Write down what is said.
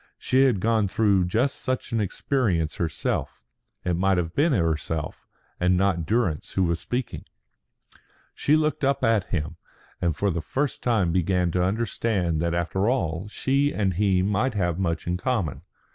She had gone through just such an experience herself. It might have been herself, and not Durrance, who was speaking. She looked up at him, and for the first time began to understand that after all she and he might have much in common.